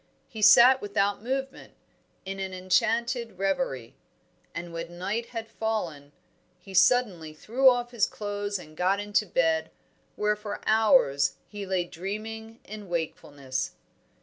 He sat without movement, in an enchanted reverie. And when night had fallen, he suddenly threw off his clothes and got into bed, where for hours he lay dreaming in wakefulness.